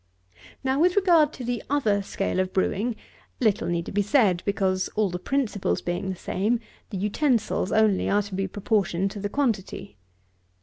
58. Now with regard to the other scale of brewing, little need be said; because, all the principles being the same, the utensils only are to be proportioned to the quantity.